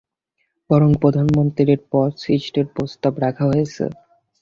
বরং প্রধানমন্ত্রীর পদ সৃষ্টির প্রস্তাব রাখা হয়েছে।